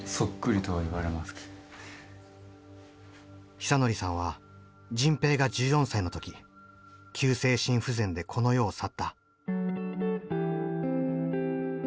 久典さんは迅平が１４歳の時急性心不全でこの世を去った。